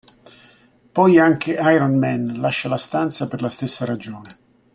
Poi anche Iron Man lascia la stanza per la stessa ragione.